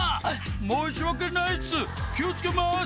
「申し訳ないっす気を付けます」